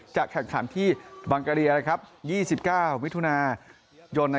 จะแข่งขันที่บังกะเรีย๒๙วิทยุนาศาสตร์